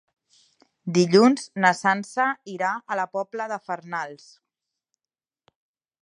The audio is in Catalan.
Dilluns na Sança irà a la Pobla de Farnals.